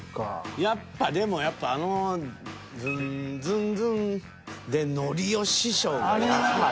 やっぱでもやっぱあのズンズンズンでのりお師匠って。